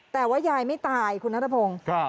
แต่ว่ายายไม่ตายคุณนัทพงศ์